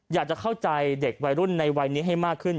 อยากจะเข้าใจเด็กวัยรุ่นในวัยนี้ให้มากขึ้น